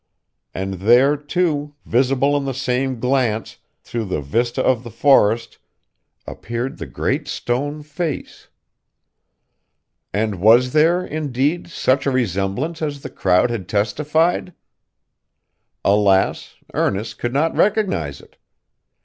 And there, too, visible in the same glance, through the vista of the forest, appeared the Great Stone Face! And was there, indeed, such a resemblance as the crowd had testified? Alas, Ernest could not recognize it!